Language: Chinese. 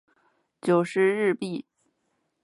九十日币